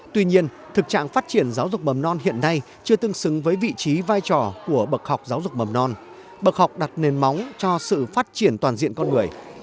tuy nhiên thực trạng phát triển giáo dục mầm non hiện nay chưa tương xứng với vị trí vai trò của bậc học giáo dục mầm non bậc học đặt nền móng cho sự phát triển toàn diện con người